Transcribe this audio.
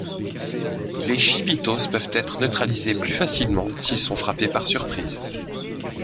Les shibitos peuvent être neutralisés plus facilement s'ils sont frappés par surprise.